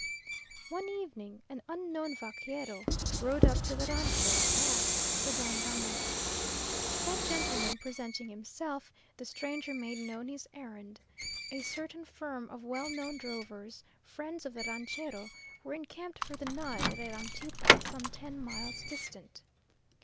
One evening an unknown vaquero rode up to the rancho and asked for Don Ramon. That gentleman presenting himself, the stranger made known his errand: a certain firm of well known drovers, friends of the ranchero, were encamped for the night at a ranchita some ten miles distant.